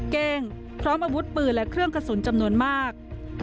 เก้งพร้อมอาวุธปืนและเครื่องกระสุนจำนวนมาก